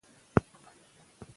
خو هغوی بېرته خپل وقار ترلاسه کړ.